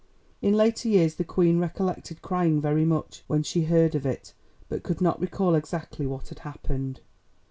In later years the Queen recollected crying very much when she heard of it, but could not recall exactly what had happened.